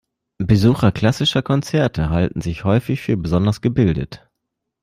Besucher klassischer Konzerte halten sich häufig für besonders gebildet.